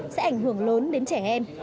sẽ ảnh hưởng lớn đến trẻ em